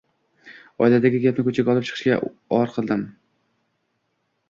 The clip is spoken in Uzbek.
Oiladagi gapni ko`chaga olib chiqishga or qildim